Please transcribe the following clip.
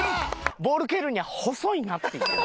ボール蹴るには細いなっていう。